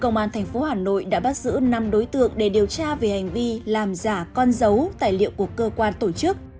công an tp hà nội đã bắt giữ năm đối tượng để điều tra về hành vi làm giả con dấu tài liệu của cơ quan tổ chức